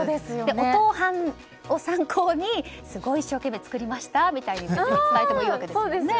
おとう飯を参考にすごい一生懸命作りましたって伝えてもいいわけですね。